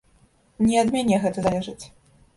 Не ад мяне гэта залежыць.